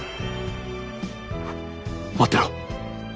待ってろ。